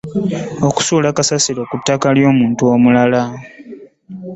Okusuula kasasiro ku ttaka ly’omuntu omulala.